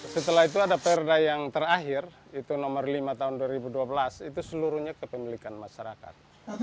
setelah itu ada perda yang terakhir itu nomor lima tahun dua ribu dua belas itu seluruhnya kepemilikan masyarakat